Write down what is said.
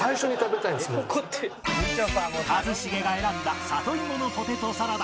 一茂が選んだ里芋のポテトサラダ